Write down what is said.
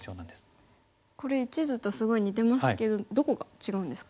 これ１図とすごい似てますけどどこが違うんですか？